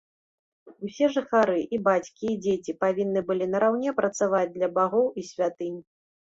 Усе жыхары, і бацькі і дзеці, павінны былі нараўне працаваць для багоў і святынь.